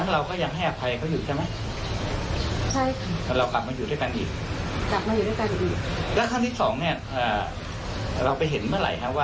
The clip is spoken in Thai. อ๋อเราก็คือเราไม่อยากเอาเรื่องเอาราว